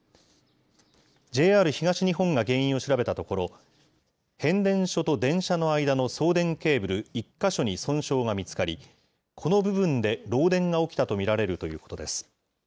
ＪＲ東日本が原因を調べたところ、変電所と電車の間の送電ケーブル１か所に損傷が見つかり、この部分で漏電が起きたと見られるということです。